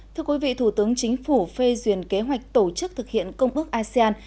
thưa quý vị thủ tướng chính phủ phê duyền kế hoạch tổ chức thực hiện công ước asean